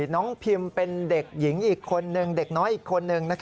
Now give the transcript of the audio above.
น้องพิมเป็นเด็กหญิงอีกคนนึงเด็กน้อยอีกคนนึง